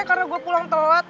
karena gue pulang telat